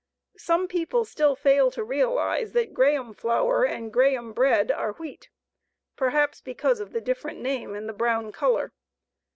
Some people still fail to realize that Graham flour and Graham bread are wheat, perhaps because of the different name and brown color.